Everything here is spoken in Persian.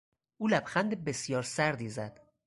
او لبخند بسیار سردی زد.